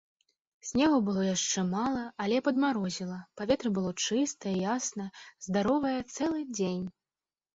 Снегу было яшчэ мала, але падмарозіла, паветра было чыстае, яснае, здаровае цэлы дзень.